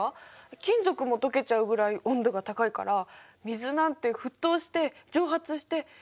金属も溶けちゃうぐらい温度が高いから水なんて沸騰して蒸発してなくなっちゃう！